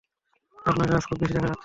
আপনাকে আজ খুব খুশি দেখা যাচ্ছে।